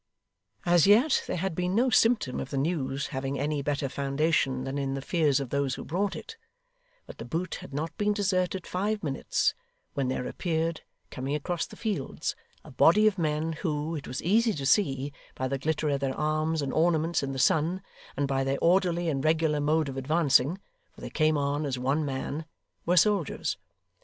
As yet there had been no symptom of the news having any better foundation than in the fears of those who brought it, but The Boot had not been deserted five minutes, when there appeared, coming across the fields, a body of men who, it was easy to see, by the glitter of their arms and ornaments in the sun, and by their orderly and regular mode of advancing for they came on as one man were soldiers.